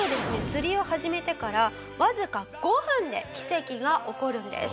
釣りを始めてからわずか５分で奇跡が起こるんです。